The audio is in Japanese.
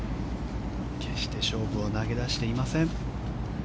決して勝負を投げ出していません。